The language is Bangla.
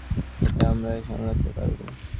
এটা আমরাই সামলাতে পারবো।